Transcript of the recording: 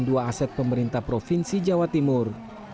dua aset pemerintah provinsi jawa timur